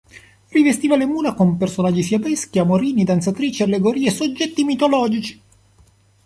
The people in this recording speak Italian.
Rivestiva le mura con personaggi fiabeschi, amorini, danzatrici, allegorie, soggetti mitologici.